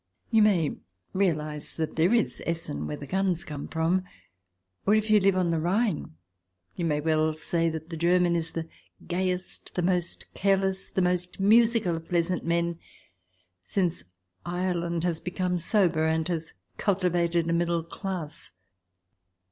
You may realize that there is Essen, where the guns come from. Or, if you live on the Rhine, you may well say that the German is the gayest, the most careless, the most musical, of pleasant men since Ireland has become sober and has cultivated a Middle Class.